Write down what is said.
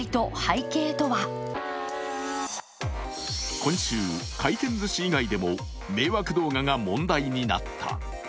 今週、回転ずし以外でも迷惑動画が問題になった。